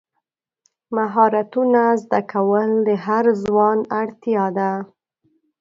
مهارتونه زده کول د هر ځوان اړتیا ده.